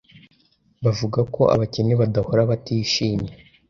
Bavuga ko abakene badahora batishimye.